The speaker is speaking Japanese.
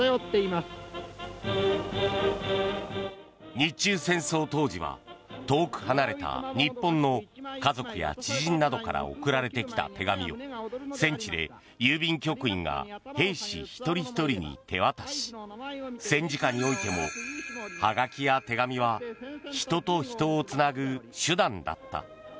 日中戦争当時は遠く離れた日本の家族や知人などから送られてきた手紙を戦地で郵便局員が兵士一人ひとりに手渡し戦時下においてもはがきや手紙は人と人をつなぐ手段だった。